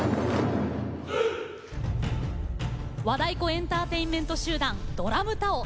和太鼓エンターテインメント集団ＤＲＡＭＴＡＯ。